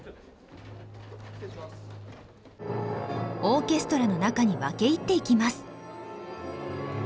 オーケストラの中に分け入っていきます。